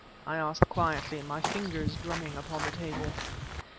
I asked quietly, my fingers drumming upon the table.